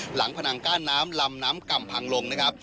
ผนังกั้นน้ำลำน้ำก่ำพังลงนะครับ